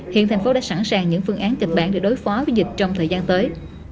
hiện thành phố đã sẵn sàng những phương án kịch bản để đối phó với dịch trong thời gian tới